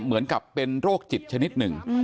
เหมือนกับเป็นโรคจิตชนิดหนึ่ง